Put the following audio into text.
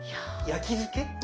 焼き漬け。